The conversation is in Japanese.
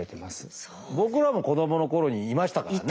僕らの子どものころにいましたからね。